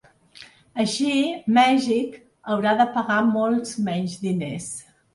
Així, Mèxic haurà de pagar molts menys diners.